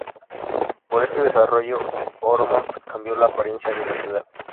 Por este desarrollo, Ormond cambió la apariencia de la ciudad.